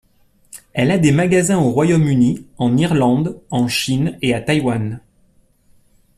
Elle a des magasins au Royaume-Uni, en Irlande, en Chine et à Taïwan.